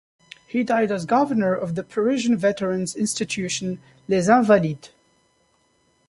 He died as governor of the Parisian veterans institution Les Invalides.